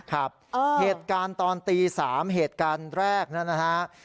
เหตุการณ์ตอนตี๓เหตุการณ์แรกนะฮะ